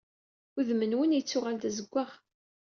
Udem-nwen yettuɣal d azeggaɣ.